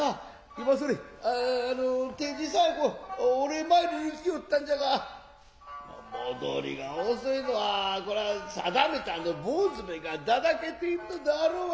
今それあの天神さんへお礼参りに行きよったんじゃが戻りがおそいのはこれは定めてあの坊主めがだだけているのであろうわいな。